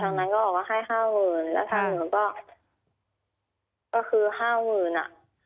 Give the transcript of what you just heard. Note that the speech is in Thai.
นั้นก็บอกว่าให้ห้าหมื่นแล้วทางหนูก็คือห้าหมื่นอ่ะ